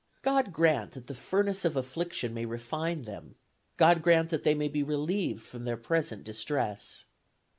God grant that the furnace of affliction may refine them. God grant that they may be relieved from their present distress.